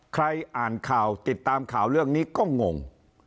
ใครอ่านข่าวติดตามข่าวเรื่องนี้ก็งง